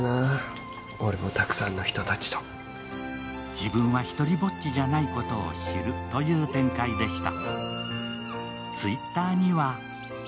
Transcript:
自分はひとりぼっちじゃないことを知るという展開でした。